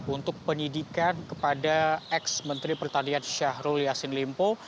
untuk penyidikan kepada ex menteri pertanian syahrul yassin limpo